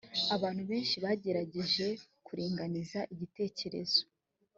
abantu benshi bagerageje kuringaniza igitekerezo